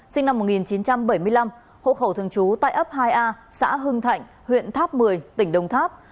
sinh năm một nghìn chín trăm bảy mươi năm hộ khẩu thường trú tại ấp hai a xã hưng thạnh huyện tháp một mươi tỉnh đồng tháp